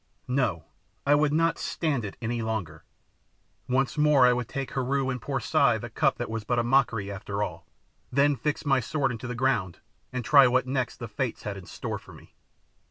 No! I would not stand it any longer. Once more I would take Heru and poor Si the cup that was but a mockery after all, then fix my sword into the ground and try what next the Fates had in store for me.